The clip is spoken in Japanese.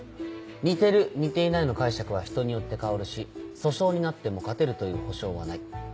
「似てる」「似ていない」の解釈は人によって変わるし訴訟になっても勝てるという保証はない。